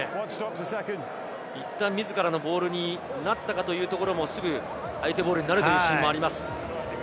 いったん自らのボールになったかというところも、すぐ相手ボールになるというシーンもあります。